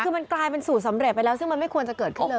คือมันกลายเป็นสูตรสำเร็จไปแล้วซึ่งมันไม่ควรจะเกิดขึ้นเลย